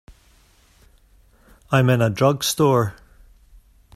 I'm in a drugstore.